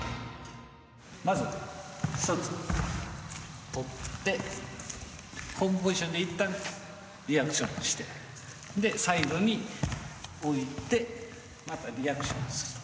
まず、１つ取ってホームポジションでいったんリアクションしてサイドに置いてまたリアクションする。